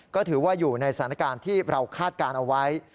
ก็ถือว่าอยู่ในสถานการณ์ที่เราคาดการณ์เอาไว้